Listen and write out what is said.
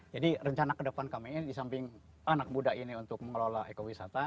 jadi rencana ke depan kami ini disamping anak muda ini untuk mengelola ekowisata